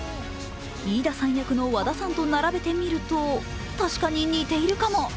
飯田さん役の和田さんと並べてみると確かに似ているかも！？